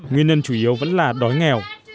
nguyên nhân chủ yếu vẫn là đói nghèo